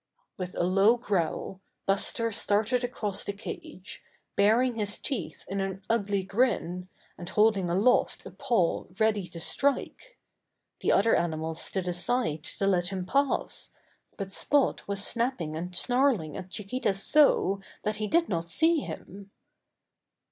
With a low growl, Buster started across the cage, baring his teeth in an ugly grin, and holding aloft a paw ready to strike. The other animals stood aside to let him pass, but 70 Buster the Bear Spot was snapping and snarling at Chiquita so that he did not see him.